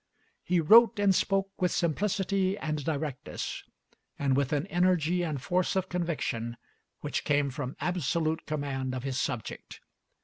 He wrote and spoke with simplicity and directness, and with an energy and force of conviction which came from absolute command of his subject.